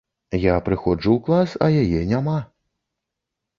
Я прыходжу ў клас, а яе няма.